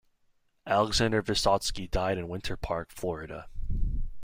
Alexander Vyssotsky died in Winter Park, Florida.